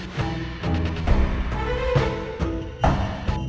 saya tidak bisa tidur